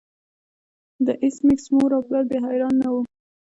د ایس میکس مور او پلار بیا حیران نه وو